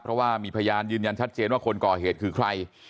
เพราะว่ามีพยานยืนยันชัดเจนว่าคนก่อเหตุคือใคร